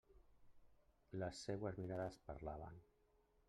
Les seues mirades parlaven.